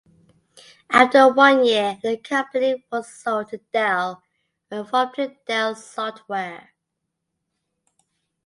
After one year the company was sold to Dell and formed to Dell Software.